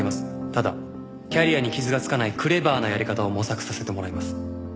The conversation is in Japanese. ただキャリアに傷がつかないクレバーなやり方を模索させてもらいます。